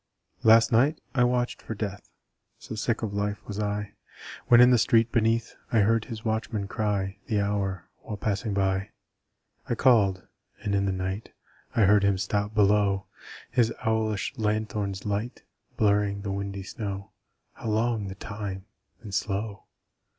Last night I watched for Death So sick of life was I! When in the street beneath I heard his watchman cry The hour, while passing by. I called. And in the night I heard him stop below, His owlish lanthorn's light Blurring the windy snow How long the time and slow!